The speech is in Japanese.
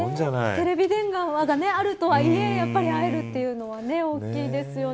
テレビ電話があるとはいえ合えるというのは大きいですよね。